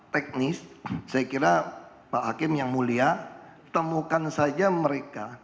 teknis saya kira pak hakim yang mulia temukan saja mereka